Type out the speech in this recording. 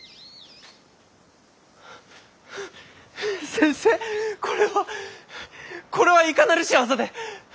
先生これは！これはいかなる仕業で！